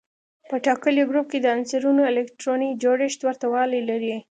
په ټاکلي ګروپ کې د عنصرونو الکتروني جوړښت ورته والی لري.